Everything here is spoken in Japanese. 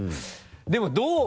でもどう？